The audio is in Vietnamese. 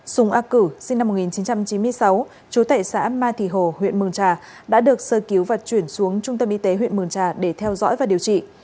sùng a cử sinh năm một nghìn chín trăm chín mươi sáu chú tệ xã ma thì hồ huyện mường trà đã được sơ cứu và chuyển xuống trung tâm y tế huyện mường trà để theo dõi và điều trị